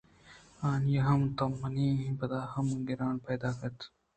انی ہم تو منی پدا ں گِراں پیداکئے